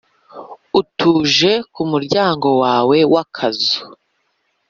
utuje kumuryango wawe w'akazu.